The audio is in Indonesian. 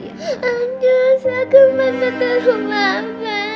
ancus aku mau ketemu mama